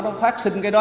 nó phát sinh cái đó